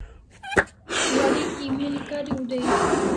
Warek email kariu dai